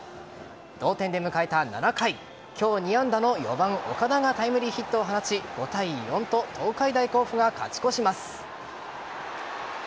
同点で迎えた７回今日２安打の４番・岡田がタイムリーヒットを放ち５対４と東海大甲府が勝ち越します。